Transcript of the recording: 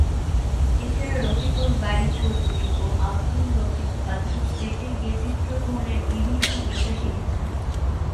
এছাড়া রফিকুল বারী চৌধুরী ও আব্দুল লতিফ বাচ্চুর সেটে গিয়ে চিত্রগ্রহণের বিভিন্ন বিষয় শিখেছেন।